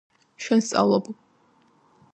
შენ სწავლობ